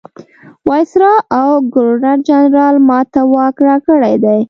وایسرا او ګورنرجنرال ما ته واک راکړی دی.